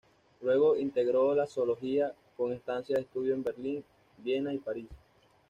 Luego integró la Zoología, con estancias de estudio en Berlín, Viena y París.